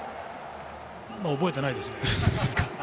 覚えていないですね。